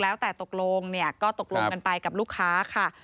แล้วแต่ตกลงเนี่ยก็ตกลงกันไปกับลูกค้าค่ะ